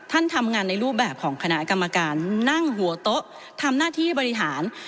ทำงานในรูปแบบของคณะกรรมการนั่งหัวโต๊ะทำหน้าที่บริหาร